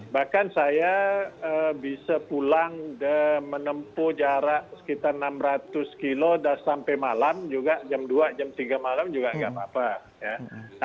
bahkan saya bisa pulang menempuh jarak sekitar enam ratus kilo dan sampai malam juga jam dua jam tiga malam juga nggak apa apa